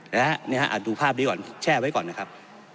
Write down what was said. นะฮะดูภาพนี้ก่อนแช่ไว้ก่อนนะครับ